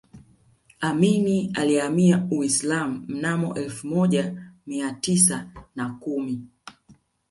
amini alihamia Uislamu mnamo elfu moja mia tisa na kumi